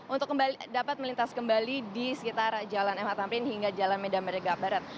untuk dapat melintas kembali di sekitar jalan mh tamrin hingga jalan medan merdeka barat